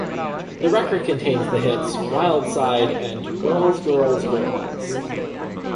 The record contains the hits "Wild Side" and "Girls, Girls, Girls".